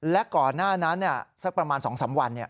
และก่อนหน้านั้นสักประมาณ๒๓วัน